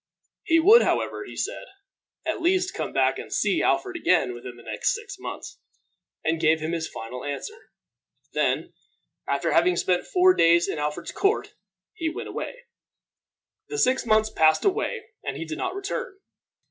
He would, however, he said, at least come back and see Alfred again within the next six months, and give him his final answer. Then, after having spent four days in Alfred's court, he went away. The six months passed away and he did not return.